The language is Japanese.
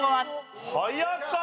早かった！